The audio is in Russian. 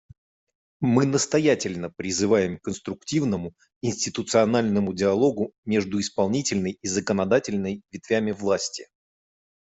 Мы настоятельно призываем к конструктивному институциональному диалогу между исполнительной и законодательной ветвями власти.